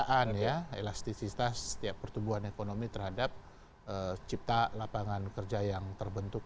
pekerjaan ya elastisitas setiap pertumbuhan ekonomi terhadap cipta lapangan kerja yang terbentuk